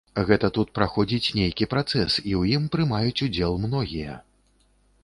Гэта тут праходзіць нейкі працэс, і ў ім прымаюць удзел многія.